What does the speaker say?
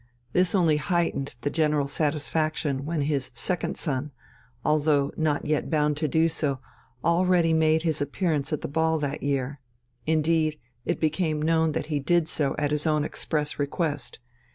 This only heightened the general satisfaction when his second son, although not yet bound to do so, already made his appearance at the ball that year indeed, it became known that he did so at his own express request.